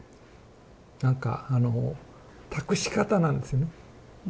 なんかあの託し方なんですよね。